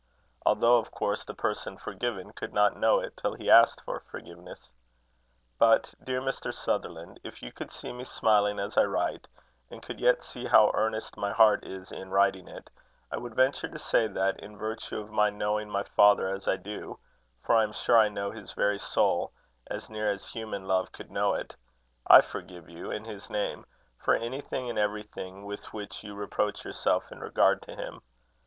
although, of course, the person forgiven could not know it till he asked for forgiveness. But, dear Mr. Sutherland, if you could see me smiling as I write, and could yet see how earnest my heart is in writing it, I would venture to say that, in virtue of my knowing my father as I do for I am sure I know his very soul, as near as human love could know it I forgive you, in his name, for anything and everything with which you reproach yourself in regard to him.